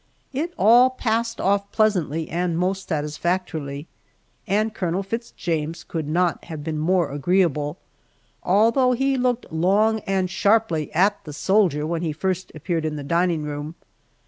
It all passed off pleasantly and most satisfactorily, and Colonel Fitz James could not have been more agreeable, although he looked long and sharply at the soldier when he first appeared in the dining room.